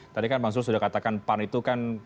tadi kan bang zul sudah katakan pan itu kan